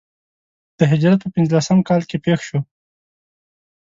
د هجرت په پنځه لسم کال کې پېښ شو.